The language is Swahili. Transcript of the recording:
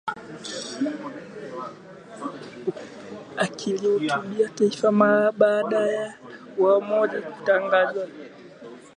Akilihutubia taifa mara baada ya uamuzi kutangazwa